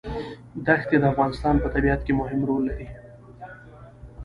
دښتې د افغانستان په طبیعت کې مهم رول لري.